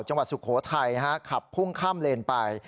จังหวัดสุโขทัยฮะขับพุ่งข้ามเลนไป